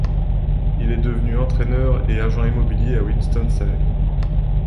Il est devenu entraineur et agent immobilier à Winston-Salem.